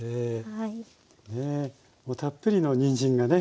たっぷりのにんじんがね